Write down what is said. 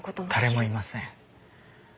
誰もいません。